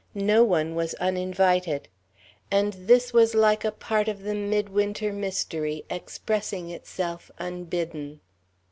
No one was uninvited. And this was like a part of the midwinter mystery expressing itself unbidden.